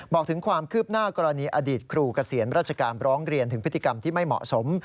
บอกถึงความคืบหน้ากรณีอดีตครูเกษียณราชการร้องเรียนถึงพฤติกรรมที่ไม่เหมาะสม